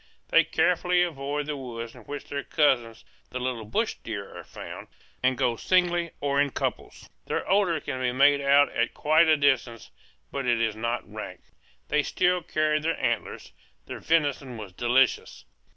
They carefully avoid the woods in which their cousins the little bush deer are found, and go singly or in couples. Their odor can be made out at quite a distance, but it is not rank. They still carried their antlers. Their venison was delicious.